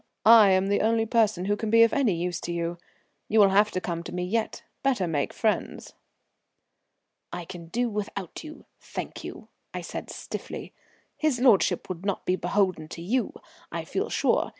I am the only person who can be of any use to you. You will have to come to me yet. Better make friends." "We can do without you, thank you," I said stiffly. "His lordship would not be beholden to you, I feel sure.